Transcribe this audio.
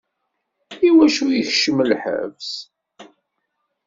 I wacu i yekcem lḥebs?